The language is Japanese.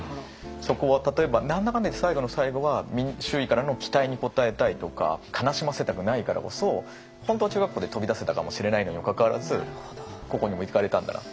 そこは例えば何だかんだいって最後の最後は周囲からの期待に応えたいとか悲しませたくないからこそ本当は中学校で飛び出せたかもしれないのにもかかわらず高校にも行かれたんだな。